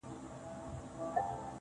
اوس له كندهاره روانـېـــږمه.